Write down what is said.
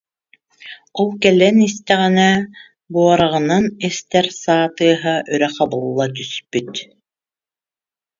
Ол кэлэн истэҕинэ, буорааҕынан эстэр саа тыаһа өрө хабылла түспүт